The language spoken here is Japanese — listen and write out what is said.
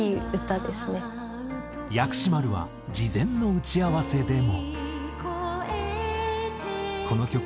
薬師丸は事前の打ち合わせでも。